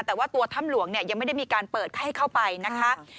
แต่ว่าตัวถ้ำหลวงเนี่ยยังไม่ได้มีการเปิดให้เข้าไปนะคะ